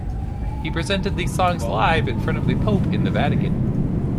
He presented these songs live in front of the Pope in the Vatican.